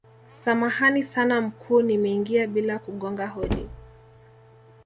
samahani sana mkuu nimeingia bila kugonga hodi